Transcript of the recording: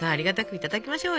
いただきましょう。